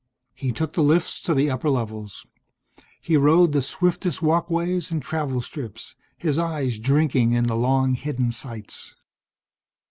He took the lifts to the upper levels. He rode the swiftest walkways and travel strips, his eyes drinking in the long hidden sights.